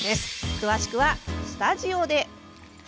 詳しくはスタジオで。